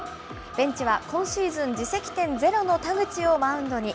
ベンチは今シーズン自責点ゼロの田口をマウンドに。